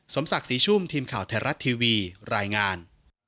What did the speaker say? สมศักดิ์ศรีชุ่มทีมข่าวไทยรัฐทีวีรายงาน